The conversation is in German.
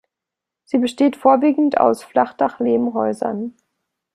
Sie besteht vorwiegend aus Flachdach-Lehmhäusern.